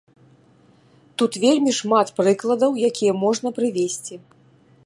Тут вельмі шмат прыкладаў, якія можна прывесці.